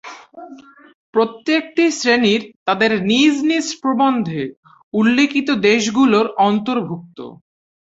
প্রত্যেকটি শ্রেণীর তাদের নিজ নিজ প্রবন্ধে উল্লিখিত দেশগুলোর অন্তর্ভুক্ত।